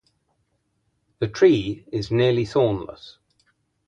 The tree is nearly thornless.